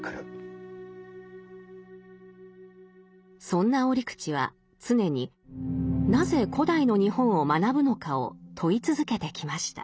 そんな折口は常になぜ古代の日本を学ぶのかを問い続けてきました。